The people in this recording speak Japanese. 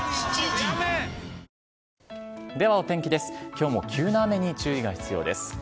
きょうも急な雨に注意が必要です。